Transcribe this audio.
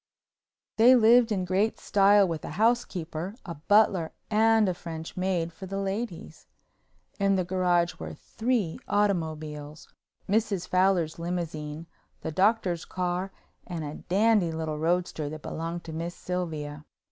They lived in great style with a housekeeper, a butler and a French maid for the ladies. In the garage were three automobiles, Mrs. Fowler's limousine, the Doctor's car and a dandy little roadster that belonged to Miss Sylvia.